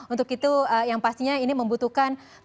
untuk itu yang pastinya ini membutuhkan